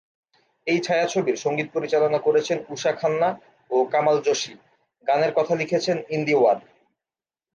এই ছায়াছবির সংগীত পরিচালনা করেছেন উষা খান্না ও কামাল জোশি, গানের কথা লিখেছেন ইন্দিওয়ার।